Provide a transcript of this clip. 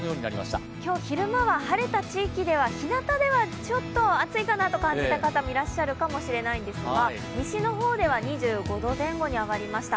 今日昼間は晴れた地域ではひなたではちょっと暑いかなと感じた方もいらっしゃるかもしれないんですが、西の方では２５度前後に上がりました。